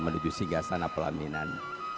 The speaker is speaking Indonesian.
menuju singgah sana pelaminan